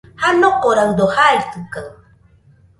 Janokoraɨdo jaitɨkaɨ.